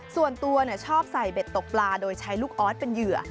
ส่วนตัวชอบใส่เบ็ดตกปลาโดยใช้ลูกออสเป็นเหยื่อ